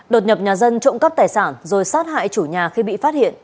đột nhập nhà dân trộm cắp tài sản rồi sát hại chủ nhà khi bị phát hiện